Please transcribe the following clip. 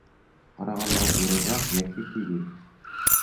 Ҡарағанда ҙурыраҡ йәки тигеҙ